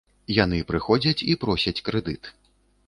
Яны прыходзяць і просяць крэдыт.